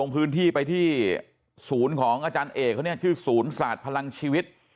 เป็นของอาจารย์เอกเขาเนี่ยชื่อศูนย์ศาสตร์พลังชีวิต